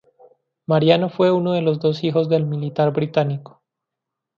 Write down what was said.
Mariano fue uno de los dos hijos del militar británico.